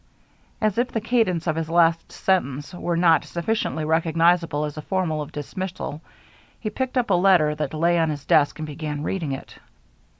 As if the cadence of his last sentence were not sufficiently recognizable as a formula of dismissal, he picked up a letter that lay on his desk and began reading it.